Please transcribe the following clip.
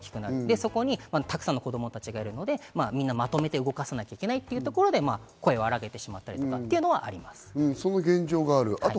そこにたくさんの子供たちがいるので、みんなまとめて動かさなきゃいけないというところで、声を荒げてしまったりということがあります。